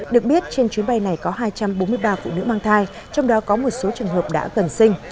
được biết trên chuyến bay này có hai trăm bốn mươi ba phụ nữ mang thai trong đó có một số trường hợp đã gần sinh